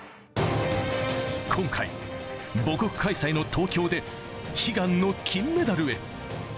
今回、母国開催の東京で悲願の金メダルへ。